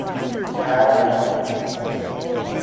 Had I known!